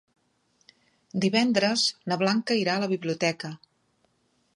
Divendres na Blanca irà a la biblioteca.